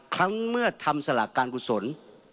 ทั้งเมื่อทำสลาการพูดสน